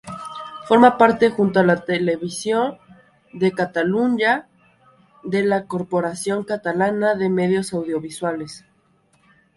Forma parte junto a Televisió de Catalunya, de la Corporación Catalana de Medios Audiovisuales.